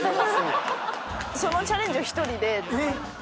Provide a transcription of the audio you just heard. そのチャレンジを１人で。